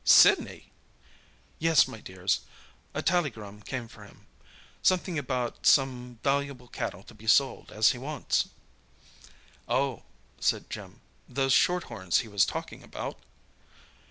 "Sydney!" "Yes, my dears. A tallygrum came for him—something about some valuable cattle to be sold, as he wants." "Oh," said Jim, "those shorthorns he was talking about?"